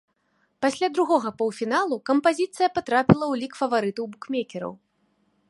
Пасля другога паўфіналу кампазіцыя патрапіла ў лік фаварытаў букмекераў.